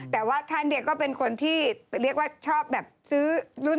แต่ว่าท่านเนี่ยก็เป็นคนที่เรียกว่าชอบแบบซื้อรุ่น